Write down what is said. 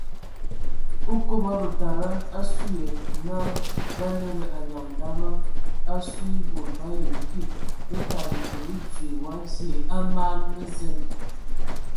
Okoba bətada asu yə na ba lədə anyaŋ daba asue e bod ba yəm kig bə kadəga kəle odzoe wa vie a man mə zen.